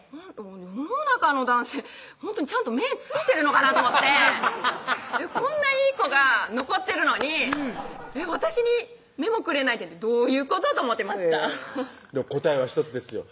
世の中の男性ちゃんと目付いてるのかなと思ってこんないい子が残ってるのに私に目もくれないってどういうこと？と思ってました答えは１つですよ